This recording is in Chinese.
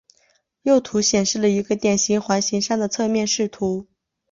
右图显示了一个典型环形山的侧面视图。